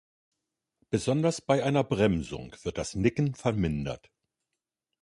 Besonders bei einer Bremsung wird das Nicken vermindert.